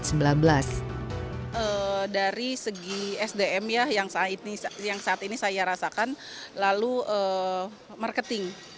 dari segi sdm ya yang saat ini saya rasakan lalu marketing